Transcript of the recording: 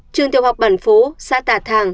trường tiểu học bản phố xã tà thàng